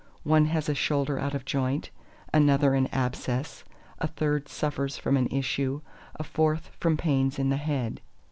One has a shoulder out of joint, another an abscess: a third suffers from an issue, a fourth from pains in the head.